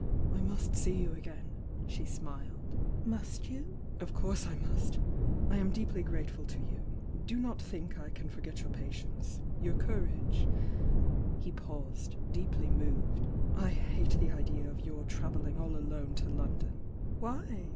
I must see you again " She Emiled. "Must you?" "Of course I muf ". I am deeply grateful to you, — do not think I can forget your patience — your courage " He paused, deeply moved. "I hate the idea of your travelling all alone to London!" "Why?"